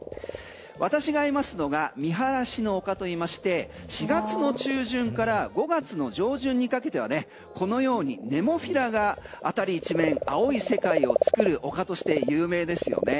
私がいますのがみはらしの丘といいまして４月の中旬から５月の上旬にかけてはこのようにネモフィラが辺り一面青い世界を作る丘として有名ですよね。